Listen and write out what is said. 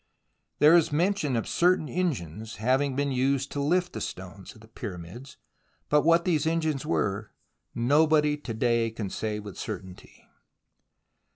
There is mention of certain engines having been used to hft the stones of the Pyramids, but what these engines were, nobody to day can say with certainty.